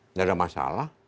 enggak ada masalah